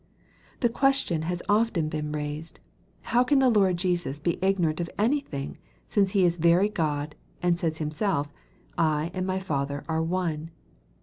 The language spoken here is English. The question has often been raised, " How can the Lord Jesus be ignorant of any thing, since He is very God, and says himself, ' I and my Father are one